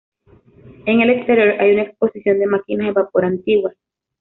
En el exterior hay una exposición de máquinas de vapor antiguas.